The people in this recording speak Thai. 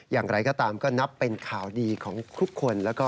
อย่างไรก็ตามก็นับเป็นข่าวดีของทุกคน